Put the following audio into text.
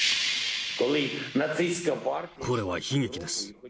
これは悲劇です。